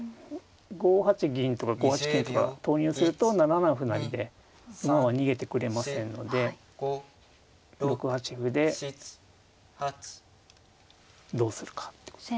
５八銀とか５八金とか投入すると７七歩成で馬は逃げてくれませんので６八歩でどうするかってことですね。